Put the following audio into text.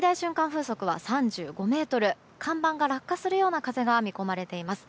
風速は３５メートル看板が落下するような風が見込まれています。